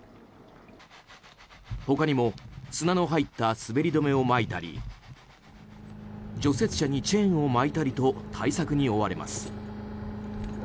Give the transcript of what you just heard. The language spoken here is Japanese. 他にも砂の入った滑り止めをまいたり除雪車にチェーンを巻いたりと対策に追われます。